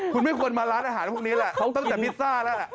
คุณไม่ควรมาร้านอาหารพวกนี้แหละตั้งแต่พิซซ่าแล้วแหละ